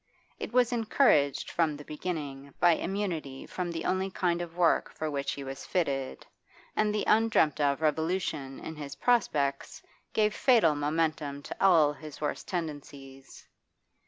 It was encouraged from the beginning by immunity from the only kind of work for which he was fitted, and the undreamt of revolution in his prospects gave fatal momentum to all his worst tendencies.